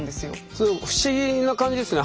不思議な感じですね。